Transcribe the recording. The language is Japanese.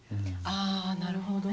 ああなるほど。